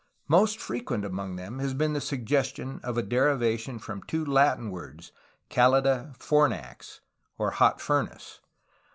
Most frequent among them has been the suggestion of a derivation from two Latin words ^'Cal ida fornax^' (hot furnace).